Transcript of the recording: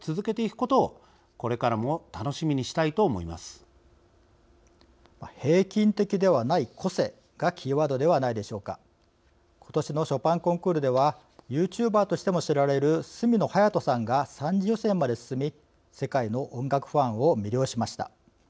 ことしのショパンコンクールではユーチューバーとしても知られる角野隼斗さんが３次予選まで進み世界の音楽ファンを魅了しました。